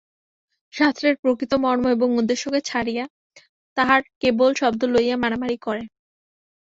শাস্ত্রের প্রকৃত মর্ম এবং উদ্দেশ্যকে ছাড়িয়া তাঁহারা কেবল শব্দ লইয়া মারামারি করেন।